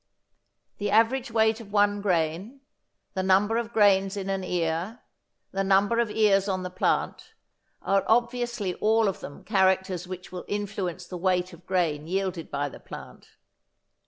The average weight of one grain, the number of grains in an ear, the number of ears on the plant, are obviously all of them characters which will influence the weight of grain yielded by the plant.